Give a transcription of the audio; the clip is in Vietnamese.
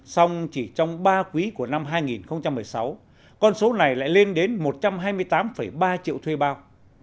xong chỉ trong ba quý của năm hai nghìn một mươi sáu con số này lại lên đến một trăm hai mươi tám ba triệu thuê bao